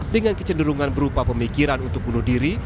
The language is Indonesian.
dengan kecenderungan berupa pemikiran untuk bunuh diri